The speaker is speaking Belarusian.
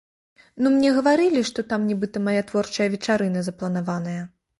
Ну, мне гаварылі, што там нібыта мая творчая вечарына запланаваная.